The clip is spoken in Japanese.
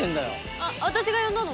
「あっ私が呼んだの」